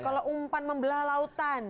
kalau umpan membelah lautan